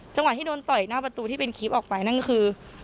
จังหวะที่โดนต่อยหน้าประตูที่เป็นคลิปออกไปนั่นคือ